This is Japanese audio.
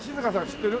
知ってる？